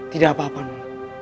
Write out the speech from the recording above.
tidak apa apa nona